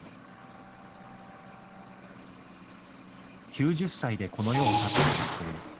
９０歳でこの世を去った漣平。